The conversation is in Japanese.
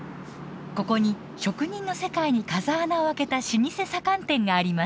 ここに職人の世界に風穴を開けた老舗左官店があります。